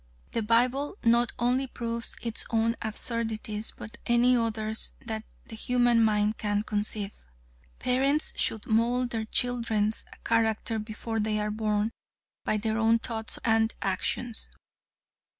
The Bible not only proves its own absurdities, but any others that the human mind can conceive. Parents should mould their children's character before they are born, by their own thoughts and actions.